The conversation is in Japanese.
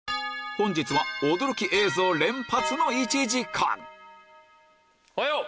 本日は驚き映像連発の１時間おはよう。